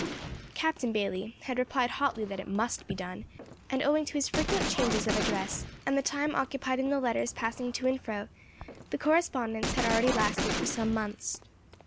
Captain Bayley had replied hotly that it must be done, and, owing to his frequent changes of address, and the time occupied in the letters passing to and fro, the correspondence had already lasted for some months.